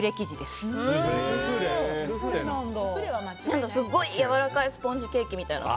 すごいやわらかいスポンジケーキみたいな。